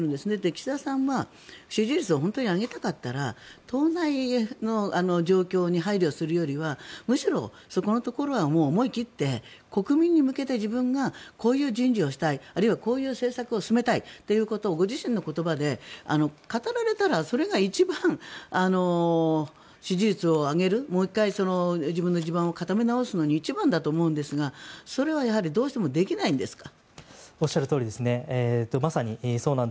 岸田さんは支持率を本当に上げたかったら党内の状況に配慮するよりむしろそこのところはもう思い切って国民に向けて自分がこういう人事をしたいあるいはこういう政策を進めたいということをご自身の言葉で語られたらそれが一番支持率を上げるもう１回、自分の地盤を固め直すのに一番だと思うんですがそれはどうしてもできないんですか？